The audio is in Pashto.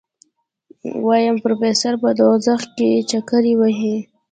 ويم پروفيسر په دوزخ کې چکرې وهي.